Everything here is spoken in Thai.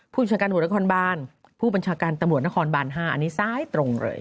ผู้บัญชาการตำรวจนครบานผู้บัญชาการตำรวจนครบาน๕อันนี้ซ้ายตรงเลย